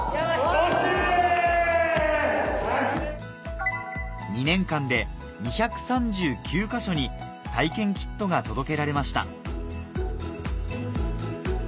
・２年間で２３９か所に体験キットが届けられました